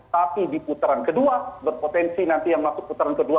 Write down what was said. tapi di putaran kedua berpotensi nanti yang masuk putaran kedua